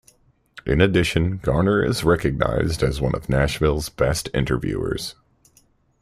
In addition, Garner is recognized as one of Nashville's best interviewers.